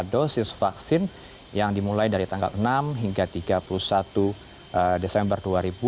dosis vaksin yang dimulai dari tanggal enam hingga tiga puluh satu desember dua ribu dua puluh